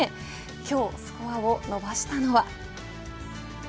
今日、スコアを伸ばしたのは。